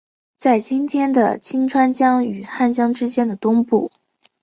在今天的清川江与汉江之间的东部。